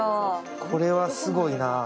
これはすごいな。